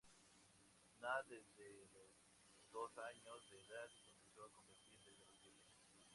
Nada desde los dos años de edad y comenzó a competir desde los siete.